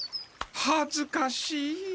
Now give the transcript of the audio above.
はずかしい。